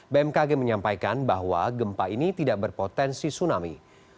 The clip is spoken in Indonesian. bmkg menyampaikan bahwa gempa ini tidak berpotensi tsunami